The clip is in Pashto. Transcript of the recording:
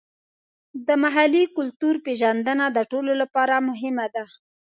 د محلي کلتور پیژندنه د ټولو لپاره مهمه ده.